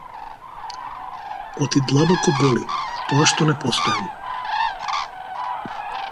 Оти длабоко боли тоа што не постојам.